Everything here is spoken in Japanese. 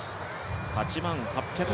８万８００